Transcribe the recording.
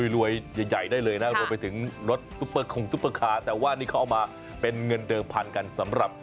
รวยใหญ่ได้เลยนะรวมไปถึงรถของซุปเปอร์คาร์